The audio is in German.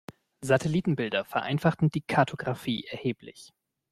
Satellitenbilder vereinfachten die Kartographie erheblich.